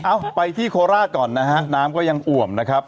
เอาไปที่โคราชก่อนนะฮะน้ำก็ยังอ่วมนะครับ